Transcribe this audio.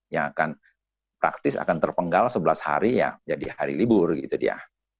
yang akan praktis akan terpenggal sebelas hari ya jadi hari libur gitu dia